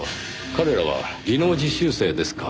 彼らは技能実習生ですか。